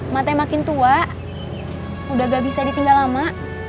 emak teh makin tua udah gak bisa ditinggal lama